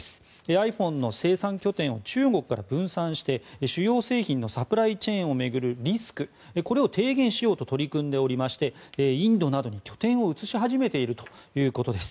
ｉＰｈｏｎｅの生産拠点を中国から分散して主要製品のサプライチェーンを巡るリスクをこれを低減しようと取り組んでおりましてインドなどに拠点を移し始めているということです。